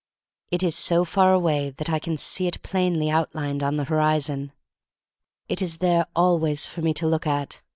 It is so far away that I can see it plainly outlined on the horizon. It is there always for me to look at.